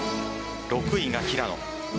６位が平野。